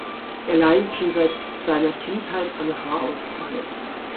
Er leidet schon seit seiner Kindheit an Haarausfall.